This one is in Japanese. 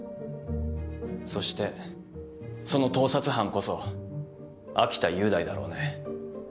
そしてその盗撮犯こそ秋田雄大だろうね。